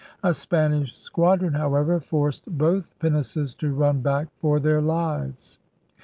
A Spanish squadron, however, forced both pinnaces to run back for their lives.